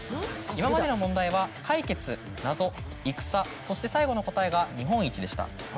今までの問題は「かいけつ」「ナゾ」「いくさ」そして最後の答えが「日本一」でした。